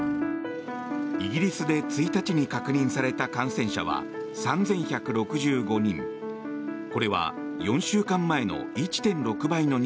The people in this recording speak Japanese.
イギリスで１日に確認された感染者は３１６５人。